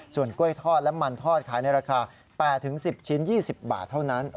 ส่วนกล้วยทอดและมันทอดขายในราคา๘๑๐ชิ้น๒๐บาทเท่านั้น